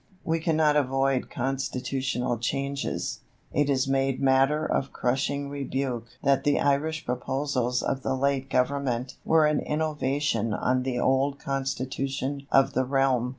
We cannot avoid constitutional changes. It is made matter of crushing rebuke that the Irish proposals of the late Government were an innovation on the old constitution of the realm.